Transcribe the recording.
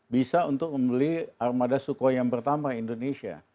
bisa untuk membeli armada sukhoi yang pertama indonesia